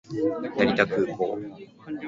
成田空港